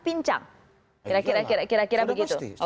tidak bisa dipincang